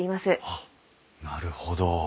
あっなるほど。